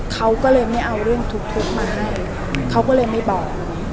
เขาก็เลยไม่เอาเรื่องทุกข์มาให้เขาก็เลยไม่บอก